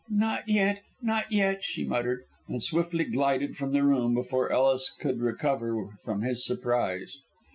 "Not yet, not yet," she muttered, and swiftly glided from the room before Ellis could recover from his surprise.